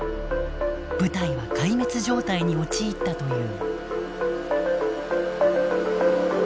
部隊は壊滅状態に陥ったという。